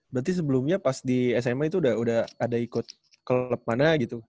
berarti sebelumnya pas di sma itu udah ada ikut klub mana gitu